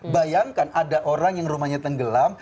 bayangkan ada orang yang rumahnya tenggelam